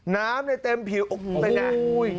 น้ำเต็มผิวโอ้โฮ